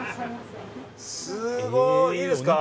すごい！いいですか。